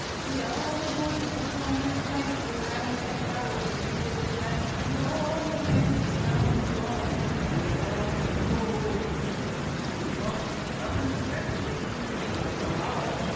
We are the boys of Potomac's ranks, We ran with McDowell, retreated with Banks, And we'll all drink stone blind — Johnny, fill up the bowl. We fought with McClellan, the Rebs, shakes and fever. Hurrah!